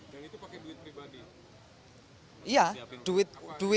dan itu pakai duit pribadi